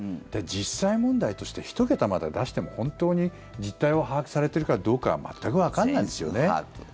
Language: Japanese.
実際問題として１桁まで出しても本当に実態を把握されているかどうかは全くわからないですよね。